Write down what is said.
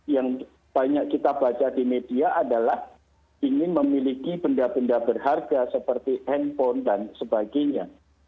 yang banyak kita baca di media adalah ingin memiliki benda benda berharga seperti handphone dan sebagainya